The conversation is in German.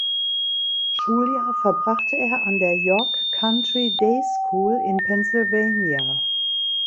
Schuljahr verbrachte er an der York Country Day School in Pennsylvania.